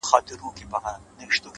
علم د پوهې رڼا خپروي.!